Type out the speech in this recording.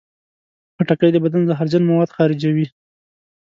خټکی د بدن زهرجن مواد خارجوي.